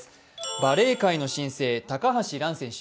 バレー界の新星、高橋藍選手